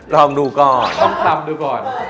ลองดูก่อนต้องทำดูก่อน